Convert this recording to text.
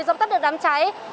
giọng tắt được đám cháy